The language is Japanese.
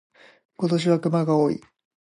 今年は熊が多い。